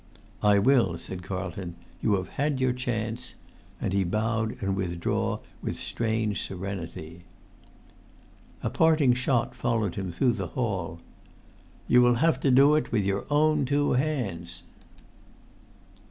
"I will," said Carlton. "You have had your chance." And he bowed and withdrew with strange serenity. [Pg 114]A parting shot followed him through the hall. "You will have to do it with your own two hands!"